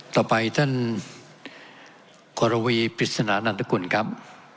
ต่อไปท่านกพิษณานัทกุลครับ